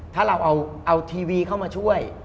ถ้าเราเอาทีวีเข้ามาช่วย